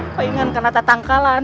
palingan kena tetang kalan